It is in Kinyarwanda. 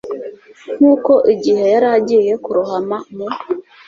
Nk'uko igihe yari agiye kurohama mu ,